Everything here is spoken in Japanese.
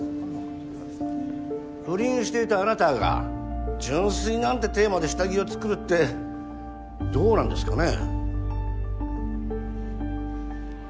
不倫していたあなたが純粋なんてテーマで下着を作るってどうなんですかね？